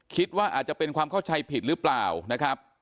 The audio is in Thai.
คิดว่าอาจจะเป็นความเข้าใจผิดหรือเปล่านะครับ